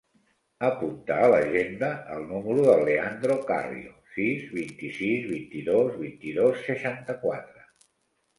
Apunta a l'agenda el número del Leandro Carrio: sis, vint-i-sis, vint-i-dos, vint-i-dos, seixanta-quatre.